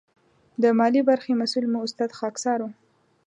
د مالي برخې مسؤل مو استاد خاکسار و.